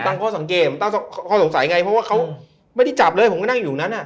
ข้อสังเกตตั้งข้อสงสัยไงเพราะว่าเขาไม่ได้จับเลยผมก็นั่งอยู่นั้นอ่ะ